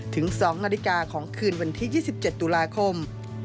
ถึง๒นาฬิกาของคืนวันที่๒๗ตุลาคม